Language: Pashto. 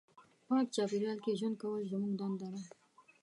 پاک چاپېریال کې ژوند کول زموږ دنده ده.